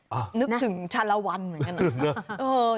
อ่านึกถึงชาลวันเหมือนกันน่ะนึกเลย